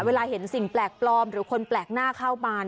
เวลาเห็นสิ่งแปลกปลอมหรือคนแปลกหน้าเข้ามา